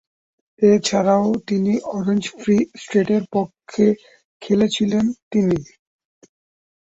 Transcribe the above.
এছাড়াও তিনি orange free স্টেটের পক্ষে খেলেছিলেন তিনি।